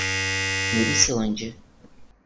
Muricilândia